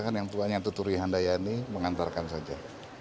dan yang tuanya tuturihanda ya ini mengantarkan saja